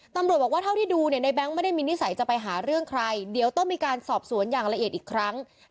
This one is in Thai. ตำรวจบอกว่าเท่าที่ดูเนี่ยในแง๊งไม่ได้มีนิสัยจะไปหาเรื่องใครเดี๋ยวต้องมีการสอบสวนอย่างละเอียดอีกครั้ง